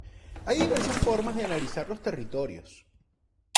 Hay diversas formas de analizar los territorios.